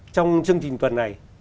trong chương trình tuần này